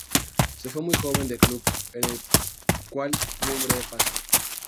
Se fue muy joven del club en el cual tuvo un breve paso.